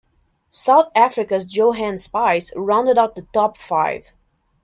South Africa's Johann Spies rounded out the top-five.